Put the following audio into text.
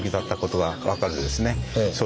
はい。